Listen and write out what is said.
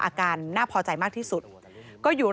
พบหน้าลูกแบบเป็นร่างไร้วิญญาณ